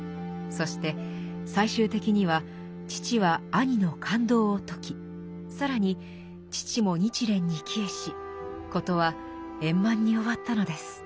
そして最終的には父は兄の勘当を解き更に父も日蓮に帰依し事は円満に終わったのです。